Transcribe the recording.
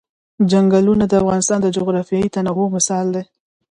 چنګلونه د افغانستان د جغرافیوي تنوع مثال دی.